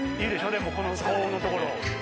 でもこの高音のところ。